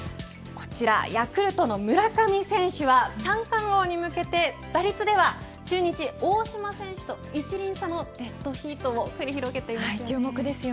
ヤクルトの村上選手は三冠王に向けて打率では中日、大島選手と１厘差のデッドヒートを繰り広げています。